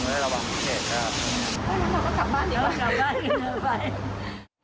ไม่ได้ระวังพิเศษนะครับไงเราก็กลับบ้านเดี๋ยวเราก็กลับบ้านกันเลยไป